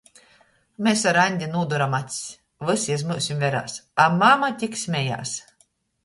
Mes ar Aņdi nūduram acs, vysi iz myusu verās, a mama tik smejās.